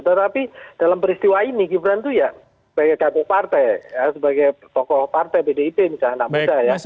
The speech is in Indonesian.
tetapi dalam peristiwa ini gibran itu ya sebagai kader partai sebagai tokoh partai bdip misalnya anak muda ya